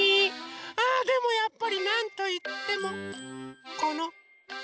あでもやっぱりなんといってもこのおはな。